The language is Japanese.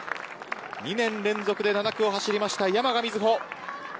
２年連続で７区を走った山賀瑞穂。